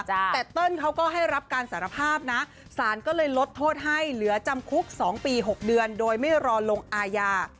แต่เติ้ลเขาก็ให้รับการสารภาพนะสารก็เลยลดโทษให้เหลือจำคุก๒ปี๖เดือนโดยไม่รอลงอาญา